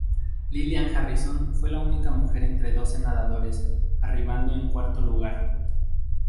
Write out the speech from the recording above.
Lilian Harrison fue la única mujer entre doce nadadores, arribando en cuarto lugar.